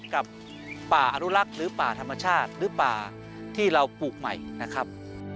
กับป่าอนุรักษ์หรือป่าธรรมชาติหรือป่าที่เราปลูกใหม่นะครับ